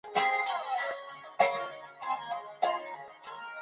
留学生全员住校。